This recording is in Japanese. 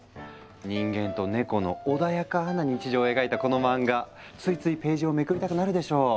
人間とネコの穏やかな日常を描いたこの漫画ついついページをめくりたくなるでしょう？